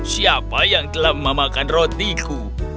siapa yang telah memakan rotiku